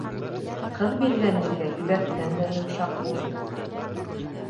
Ҡыҙ биргән ергә ебәктән дә йомшаҡ бул